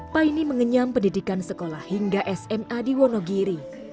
paine mengenyam pendidikan sekolah hingga sma di wonogiri